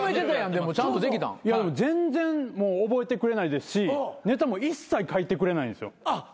でも全然覚えてくれないですしネタも一切書いてくれないんですよ。